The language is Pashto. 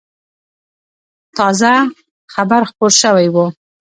تازه خبر خپور شوی و.